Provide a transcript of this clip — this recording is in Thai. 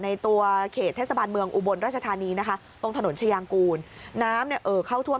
ในตัวเขตเทศบาลเมืองอุบลราชธานีนะคะตรงถนนชายางกูลน้ำเนี่ยเอ่อเข้าทั่ว